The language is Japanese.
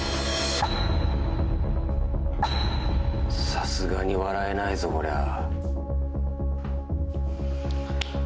☎さすがに笑えないぞこりゃあ。